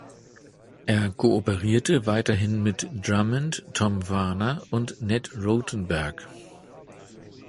Er kooperierte weiterhin mit Drummond, Tom Varner und Ned Rothenberg.